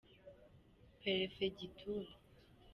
perefegitura.